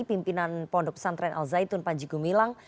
pimpinan pondok pesantren al zaitun panji gumilang